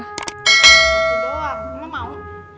itu doang emang mau